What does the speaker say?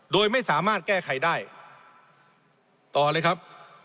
โดยไม่สามารถแก้ไขได้ต่อเลยครับ